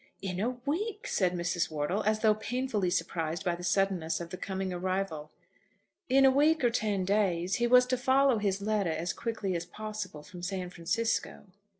"In a week!" said Mrs. Wortle, as though painfully surprised by the suddenness of the coming arrival. "In a week or ten days. He was to follow his letter as quickly as possible from San Francisco."